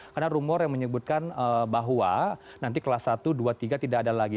karena rumor yang menyebutkan bahwa nanti kelas satu dua tiga tidak ada lagi